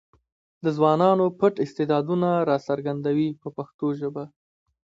د ځوانانو پټ استعدادونه راڅرګندوي په پښتو ژبه.